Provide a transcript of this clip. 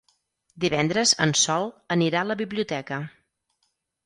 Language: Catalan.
Divendres en Sol anirà a la biblioteca.